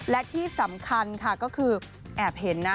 และที่สำคัญค่ะก็คือแอบเห็นนะ